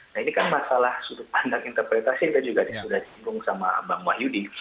nah ini kan masalah sudut pandang interpretasi kita juga sudah cinggung sama mbak wahyudi